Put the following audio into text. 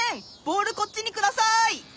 ボールこっちにください！